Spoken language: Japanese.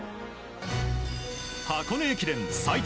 箱根駅伝最多